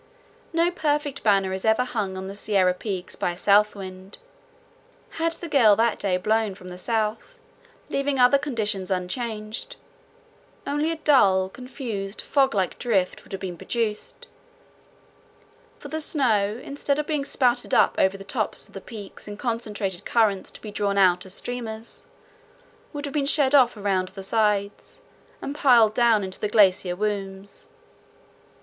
No perfect banner is ever hung on the Sierra peaks by a south wind. Had the gale that day blown from the south, leaving other conditions unchanged, only a dull, confused, fog like drift would have been produced; for the snow, instead of being spouted up over the tops of the peaks in concentrated currents to be drawn out as streamers, would have been shed off around the sides, and piled down into the glacier wombs.